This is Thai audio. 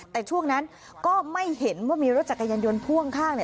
แต่ช่วงนั้นก็ไม่เห็นว่ามีรถจักรยานยนต์พ่วงข้าง